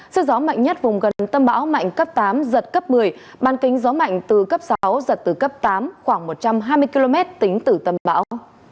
sức gió mạnh nhất vùng gần tâm bão mạnh cấp tám giật cấp một mươi ban kính gió mạnh từ cấp sáu giật từ cấp tám khoảng một trăm hai mươi km tính từ tâm bão